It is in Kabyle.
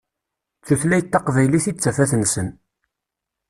D tutlayt taqbaylit i d tafat-nsen.